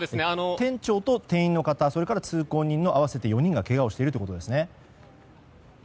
店長と店員の方それと通行人の合わせて４人がけがをしているということですね。